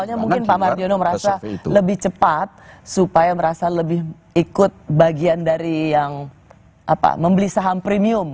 soalnya mungkin pak mardiono merasa lebih cepat supaya merasa lebih ikut bagian dari yang membeli saham premium